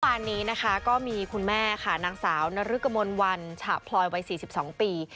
นี้นะคะก็มีคุณแม่ค่ะนางสาวนรึกมลวันฉะพลอยวัย๔๒ปี